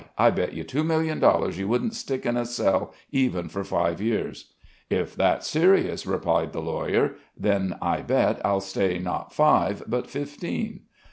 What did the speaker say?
I bet you two millions you wouldn't stick in a cell even for five years." "If that's serious," replied the lawyer, "then I bet I'll stay not five but fifteen."